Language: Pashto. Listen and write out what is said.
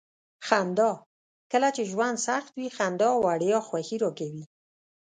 خندا: کله چې ژوند سخت وي. خندا وړیا خوښي راکوي.